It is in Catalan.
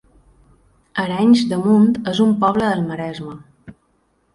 Arenys de Munt es un poble del Maresme